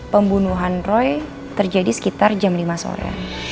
pembunuhan roy terjadi sekitar jam lima sore